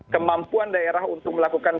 kemampuan daerah untuk melakukan